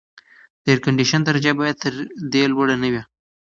د اېرکنډیشن درجه باید تر دې لوړه نه وي.